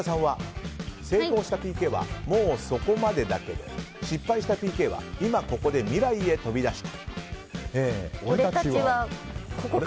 成功したＰＫはもうそこまでだけど失敗したＰＫは今ここで未来へ飛び出した。